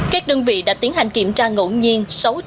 các đơn vị đã tiến hành kiểm tra ngẫu nhiên sáu trăm một mươi tám